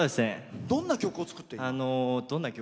どんな曲を作ってる？